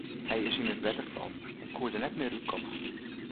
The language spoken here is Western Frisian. Hy is yn it wetter fallen en koe der net mear út komme.